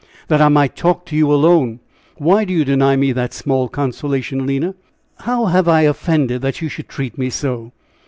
"That I might talk to you alone. Why do you deny me that small consolation, Lina? How have I offended, that you should treat me so?"